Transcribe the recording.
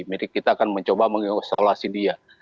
mereka akan mencoba meng insolasi dia